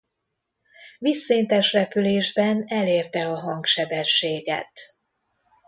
Vízszintes repülésben elérte a hangsebességet.